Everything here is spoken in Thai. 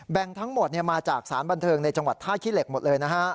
ทั้งหมดมาจากสารบันเทิงในจังหวัดท่าขี้เหล็กหมดเลยนะฮะ